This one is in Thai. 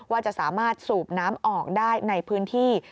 ว่าจะสามารถสูบน้ำออกได้ในพื้นที่